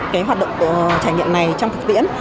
cái hoạt động trải nghiệm này trong thực tiễn